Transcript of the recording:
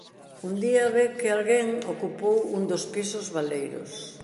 Un día ve que alguén ocupou un dos pisos baleiros.